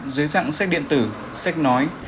dưới dạng sách điện tử sách nói